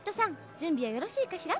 じゅんびはよろしいかしら？